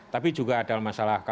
tapi juga ada masalah